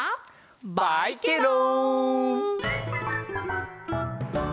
バイケロン！